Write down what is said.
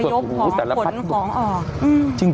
กรมป้องกันแล้วก็บรรเทาสาธารณภัยนะคะ